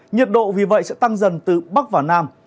nhiệt độ vì vậy sẽ tăng dần từ bắc vào nam